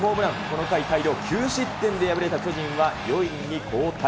この回、大量９失点で敗れた巨人は、４位に後退。